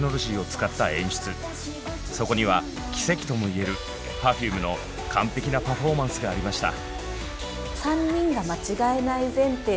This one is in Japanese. そこには奇跡とも言えるＰｅｒｆｕｍｅの完璧なパフォーマンスがありました。